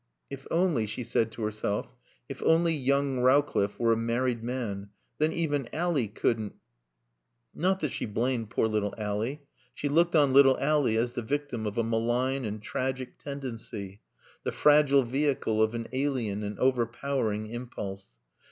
If only, she said to herself, if only young Rowcliffe were a married man. Then even Ally couldn't Not that she blamed poor little Ally. She looked on little Ally as the victim of a malign and tragic tendency, the fragile vehicle of an alien and overpowering impulse.